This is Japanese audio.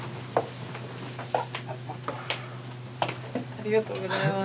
ありがとうございます。